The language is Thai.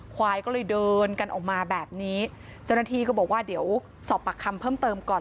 ควายก็เลยเดินกันออกมาแบบนี้เจ้าหน้าที่ก็บอกว่าเดี๋ยวสอบปากคำเพิ่มเติมก่อน